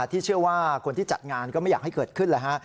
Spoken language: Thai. ที่เชื่อว่าคนที่จัดงานก็ไม่อยากให้เกิดขึ้นแล้วฮะ